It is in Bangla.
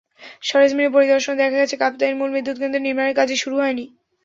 সরেজমিনে পরিদর্শনে দেখা গেছে, কাপ্তাইয়ে মূল বিদ্যুৎকেন্দ্র নির্মাণের কাজই শুরু হয়নি।